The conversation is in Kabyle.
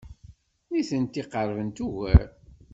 Nitenti qerbent ugar.